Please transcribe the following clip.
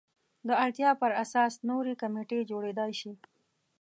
د اړتیا پر اساس نورې کمیټې جوړېدای شي.